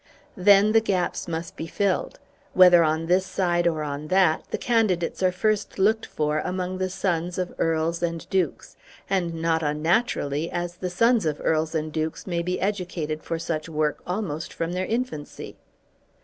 Then the gaps must be filled. Whether on this side or on that, the candidates are first looked for among the sons of Earls and Dukes, and not unnaturally, as the sons of Earls and Dukes may be educated for such work almost from their infancy.